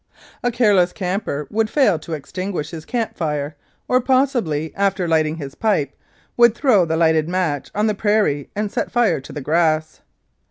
A careless camper would fail to extinguish his camp fire, or possibly, after lighting his pipe, would throw the lighted match on the prairie and set fire to the grass.